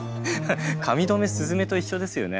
髪留め鈴芽と一緒ですよね。